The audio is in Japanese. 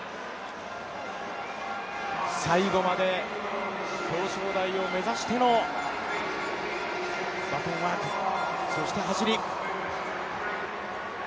最後まで表彰台を目指してのバトンワーク、そして走り。